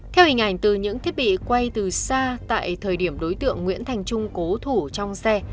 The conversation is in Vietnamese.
theo hình ảnh từ những thiết bị quay từ xa tại thời điểm đối tượng nguyễn thành trung cố thủ trong xe